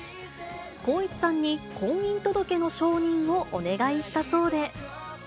光一さんに婚姻届の証人をお願いしたそうで。